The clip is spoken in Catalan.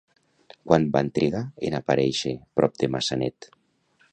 Quant van trigar en aparèixer prop de Massanet?